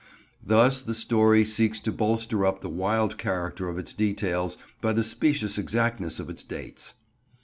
Thus the story seeks to bolster up the wild character of its details by the specious exactness of its dates.